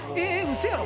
嘘やろ？